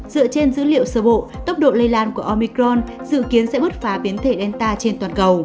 dựa trên dữ liệu sơ bộ tốc độ lây lan của omicron dự kiến sẽ bứt phá biến thể gelta trên toàn cầu